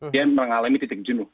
dia mengalami titik jenuh